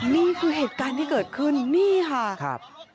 นี่คือเหตุการณ์ที่เกิดขึ้นนี่ค่ะครับ